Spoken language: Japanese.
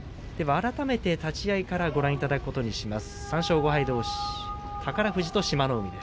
改めて立ち合いからご覧いただきます。